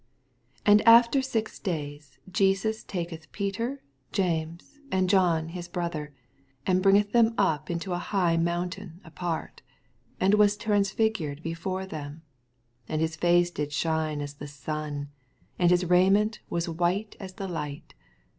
1 And after six days Jesus taketh Peter, James, and John his brother, and bringeth them up into an high mountain apart. 2 And was transflffured before them : and his fistce did shine as the sun, and his raiment was white as the light.